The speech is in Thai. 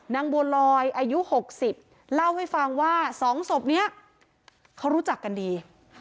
นางบัวลอยอายุ๖๐เล่าให้ฟังว่า๒ศพนี้เขารู้จักกันดี